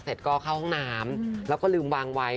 เสร็จก็เข้าห้องน้ำแล้วก็ลืมวางไว้